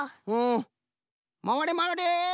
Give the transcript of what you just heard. まわれまわれ。